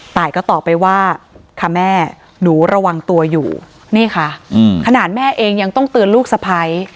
ตายก็ตอบไปว่าค่ะแม่หนูระวังตัวอยู่นี่ค่ะขนาดแม่เองยังต้องเตือนลูกสะพ้าย